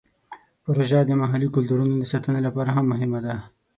پروژه د محلي کلتورونو د ساتنې لپاره هم مهمه ده.